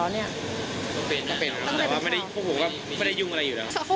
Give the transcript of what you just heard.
ต้องเป็นแต่ว่าพวกผมก็ไม่ได้ยุ่งอะไรอยู่แล้ว